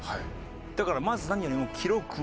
だからまず何よりも記録を。